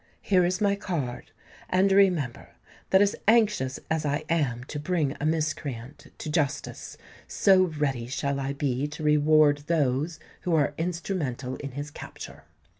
"Here is my card; and remember that as anxious as I am to bring a miscreant to justice, so ready shall I be to reward those who are instrumental in his capture."